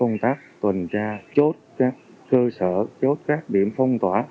công tác tuần tra chốt các cơ sở chốt các điểm phong tỏa